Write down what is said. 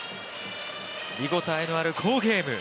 見応えのある好ゲーム。